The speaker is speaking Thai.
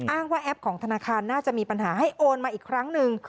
ว่าแอปของธนาคารน่าจะมีปัญหาให้โอนมาอีกครั้งหนึ่ง